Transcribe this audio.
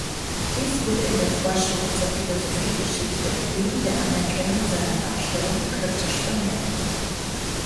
Dies wurde in der Forschung zur Philosophiegeschichte neben der Anerkennung seiner Darstellung kritisch vermerkt.